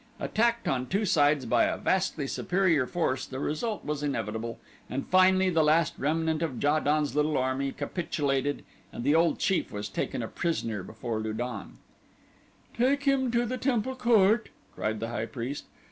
Attacked on two sides by a vastly superior force the result was inevitable and finally the last remnant of Ja don's little army capitulated and the old chief was taken a prisoner before Lu don. "Take him to the temple court," cried the high priest.